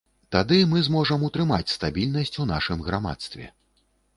Тады мы зможам утрымаць стабільнасць у нашым грамадстве.